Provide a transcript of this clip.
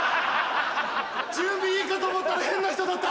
準備いいかと思ったら変な人だった！